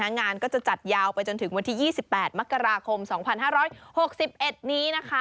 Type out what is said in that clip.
งานก็จะจัดยาวไปจนถึงวันที่๒๘มกราคม๒๕๖๑นี้นะคะ